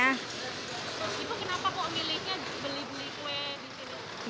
itu kenapa kok miliknya beli beli kue di sini